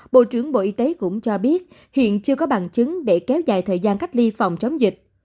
bộ trưởng bộ y tế cũng cho biết hiện chưa có bằng chứng để kéo dài thời gian cách ly phòng chống dịch